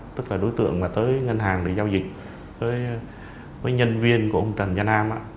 tức là đối tượng mà tới ngân hàng để giao dịch với nhân viên của ông trần văn nam á